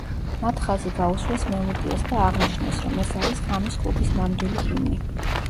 მათ ხაზი გაუსვეს მელოდიას და აღნიშნეს, რომ ეს არის ღამის კლუბის ნამდვილი ჰიმნი.